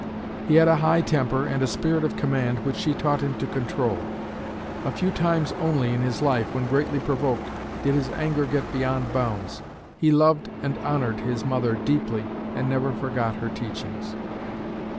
He had a high temper and a spirit of command, which she taught him to control. A few times only in his life, when greatly provoked, did his anger get beyond bounds. He loved and honored his mother deeply and never forgot her teachings.